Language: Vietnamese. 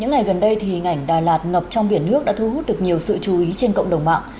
ngày gần đây thì ngảnh đà lạt ngập trong biển nước đã thu hút được nhiều sự chú ý trên cộng đồng mạng